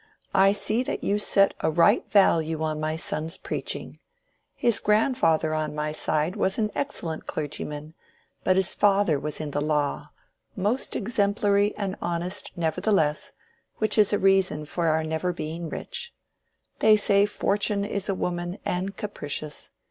"I see that you set a right value on my son's preaching. His grandfather on my side was an excellent clergyman, but his father was in the law:—most exemplary and honest nevertheless, which is a reason for our never being rich. They say Fortune is a woman and capricious.